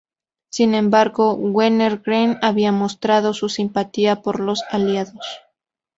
Sin embargo, Wenner-Gren había mostrado su simpatía por los aliados.